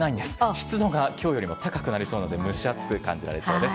湿度がきょうよりも高くなりそうなんで、蒸し暑く感じられそうです。